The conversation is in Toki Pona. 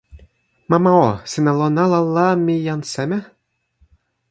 mama o, sina lon ala la mi jan seme?